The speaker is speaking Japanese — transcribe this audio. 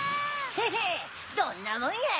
ヘヘっどんなもんや！